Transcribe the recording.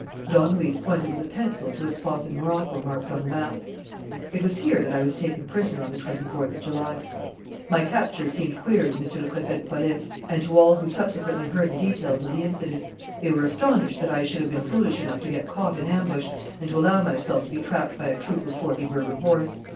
Don Luis pointed with a pencil to a spot in Morocco marked on the map. "It was here that I was taken prisoner on the twenty fourth of July. My capture seemed queer to Monsieur le Préfet de Police and to all who subsequently heard the details of the incident. They were astonished that I should have been foolish enough to get caught in ambush and to allow myself to be trapped by a troop of forty Berber horse.